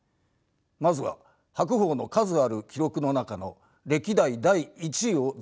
まずは白鵬の数ある記録の中の歴代第１位をざっと紹介しよう。